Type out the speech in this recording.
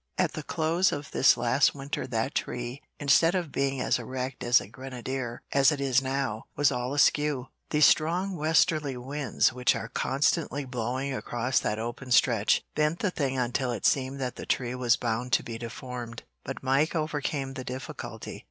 At the close of this last winter that tree, instead of being as erect as a grenadier, as it now is, was all askew. The strong westerly winds which are constantly blowing across that open stretch bent the thing until it seemed that the tree was bound to be deformed; but Mike overcame the difficulty.